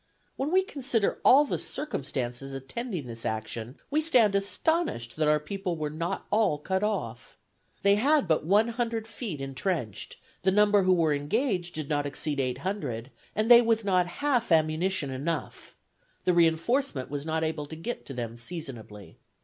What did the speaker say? When we consider all the circumstances attending this action, we stand astonished that our people were not all cut off. They had but one hundred feet intrenched, the number who were engaged did not exceed eight hundred, and they with not half ammunition enough; the reinforcement not able to get to them seasonably.